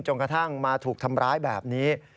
กระทั่งมาถูกทำร้ายแบบนี้